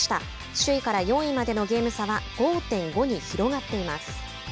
首位から４位までのゲーム差は５．５に広がっています。